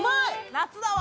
夏だわ！